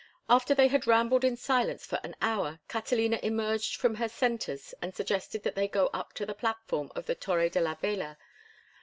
After they had rambled in silence for an hour Catalina emerged from her centres and suggested that they go up to the platform of the Torre de la Vela.